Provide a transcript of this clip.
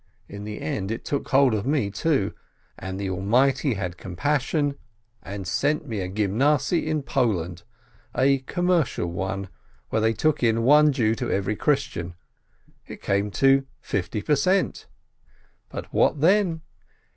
In the end it took hold of me, too, and the Almighty had compassion, and sent me a Gymnasiye in Poland, a "commercial" one, where they took in one Jew to every Christian. It came to fifty per cent. But what then?